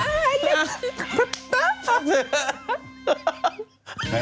ไงทำ